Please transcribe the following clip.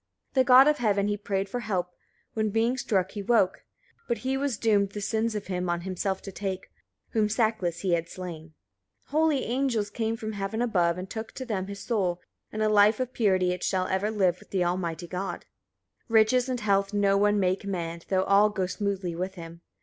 6. The God of heaven he prayed for help, when being struck he woke; but he was doomed the sins of him on himself to take, whom sackless he had slain. 7. Holy angels came from heaven above, and took to them his soul: in a life of purity it shall ever live with the almighty God. 8. Riches and health no one may command, though all go smoothly with him.